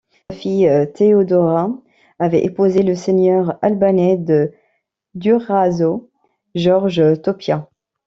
Sa fille Théodora avait épousé le seigneur albanais de Durazzo Georges Thopia.